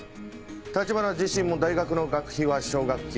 橘自身も大学の学費は奨学金。